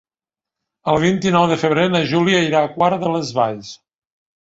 El vint-i-nou de febrer na Júlia irà a Quart de les Valls.